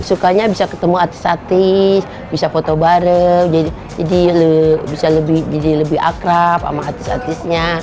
sukanya bisa ketemu artis artis bisa foto bareng jadi bisa jadi lebih akrab sama artis artisnya